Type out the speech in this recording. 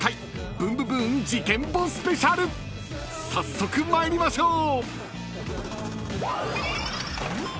［早速参りましょう！］